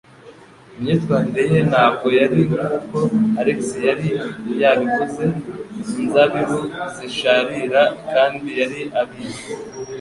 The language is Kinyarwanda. Imyitwarire ye ntabwo yari nkuko Alex yari yabivuze, 'inzabibu zisharira', kandi yari abizi.